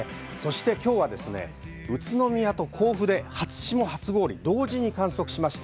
今日は宇都宮と甲府で初霜・初氷、同時に観測しました。